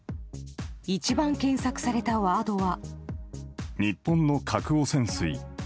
一番検索されたワードは。